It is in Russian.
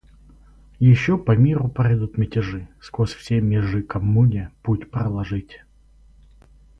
Еще по миру пройдут мятежи — сквозь все межи коммуне путь проложить.